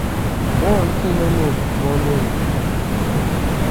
Juó chindonus bö nuni.